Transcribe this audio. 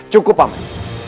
cukup pak jajaran